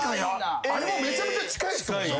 あれもめちゃめちゃ近いっすもんね。